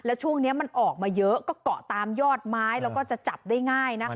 แล้วช่วงนี้มันออกมาเยอะก็เกาะตามยอดไม้แล้วก็จะจับได้ง่ายนะคะ